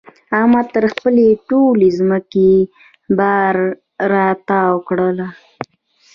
احمد تر خپلې ټولې ځمکې باره را تاو کړله.